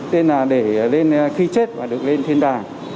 tên là để lên khi chết và được lên thiên tài